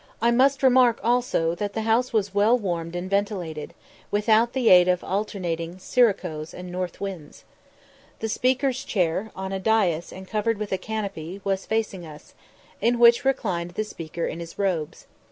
I must remark, also, that the house was well warmed and ventilated, without the aid of alternating siroccos and north winds. The Speaker's chair, on a dais and covered with a canopy, was facing us, in which reclined the Speaker in his robes.